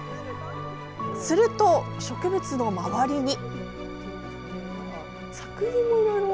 すると植物の周りに。